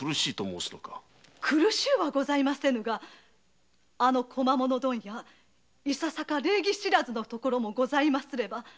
苦しゅうはございませぬがあの小間物屋いささか礼儀知らずのところも。